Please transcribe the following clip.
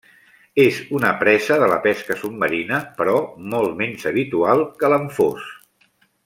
És una presa de la pesca submarina, però molt menys habitual que l'anfós.